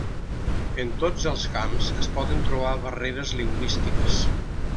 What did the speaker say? En tots els camps es poden trobar barreres lingüístiques.